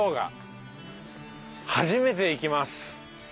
初めて行きます